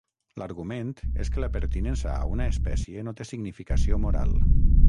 L'argument és que la pertinença a una espècie no té significació moral.